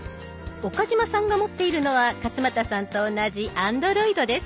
岡嶋さんが持っているのは勝俣さんと同じＡｎｄｒｏｉｄです。